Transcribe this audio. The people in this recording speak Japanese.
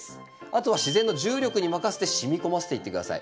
あとは自然の重力に任せて染み込ませていって下さい。